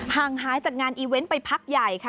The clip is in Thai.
ห่างหายจากงานอีเวนต์ไปพักใหญ่ค่ะ